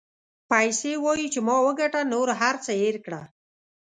پیسې وایي چې ما وګټه نور هر څه هېر کړه.